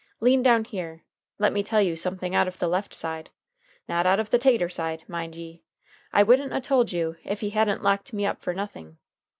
Lean down here. Let me tell you something out of the left side. Not out of the tater side, mind ye. I wouldn't a told you if he hadn't locked me up fer nothing.